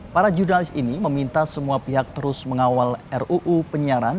para jurnalis ini meminta semua pihak terus mengawal ruu penyiaran